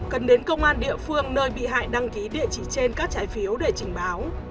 cần đến công an địa phương nơi bị hại đăng ký địa chỉ trên các trái phiếu để trình báo